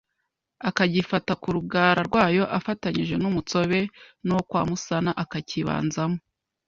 Akagifata ku rugara rwayo Afatanyije n’Umutsobe N’uwo kwa Musana akakibanzamo